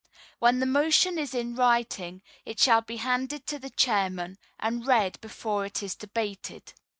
When the motion is in writing it shall be handed to the Chairman, and read before it is debated.